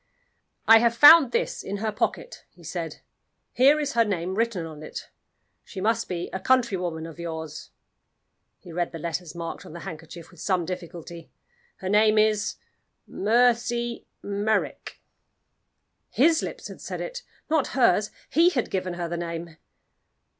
"I have found this in her pocket," he said. "Here is her name written on it. She must be a countrywoman of yours." He read the letters marked on the handkerchief with some difficulty. "Her name is Mercy Merrick." His lips had said it not hers! He had given her the name.